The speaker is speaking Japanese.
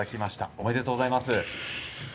ありがとうございます。